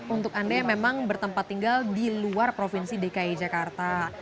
untuk anda yang memang bertempat tinggal di luar provinsi dki jakarta